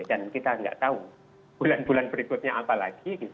dan kita enggak tahu bulan bulan berikutnya apa lagi